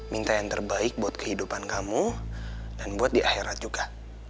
minta yang terbaik buat kehidupan kamu dan buat di akhirat juga